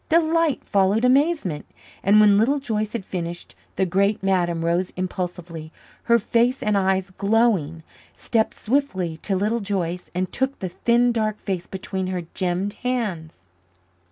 Delight followed amazement, and when Little Joyce had finished, the great Madame rose impulsively, her face and eyes glowing, stepped swiftly to Little Joyce and took the thin dark face between her gemmed hands.